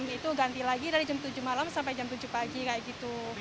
itu ganti lagi dari jam tujuh malam sampai jam tujuh pagi kayak gitu